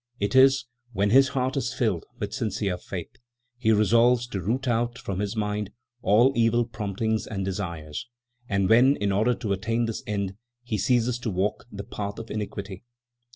It is, when his heart is filled with sincere faith, he resolves to root out from his mind all evil promptings and desires, and when, in order to attain this end, he ceases to walk the path of iniquity.